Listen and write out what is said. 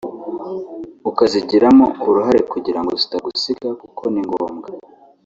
ukazigiramo uruhare kugira ngo zitagusiga kuko ni ngombwa